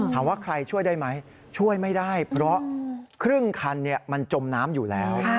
ถามว่าใครช่วยได้ไหมช่วยไม่ได้เพราะครึ่งคันมันจมน้ำอยู่แล้ว